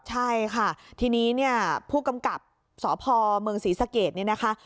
ใช่ค่ะทีนี้เนี่ยผู้กำกับสพเมืองศรีสะเกดเนี่ยนะคะ